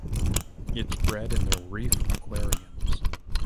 It’s bred in the reef aquariums.